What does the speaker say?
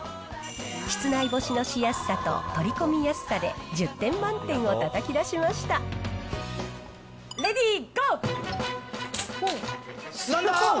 室内干しのしやすさと取り込みやすさで１０点満点をたたき出しまレディーゴー。